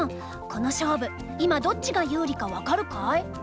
この勝負今どっちが有利か分かるかい？